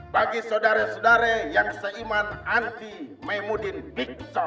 bagi sudara sudara yang seiman anti maemudin bikcol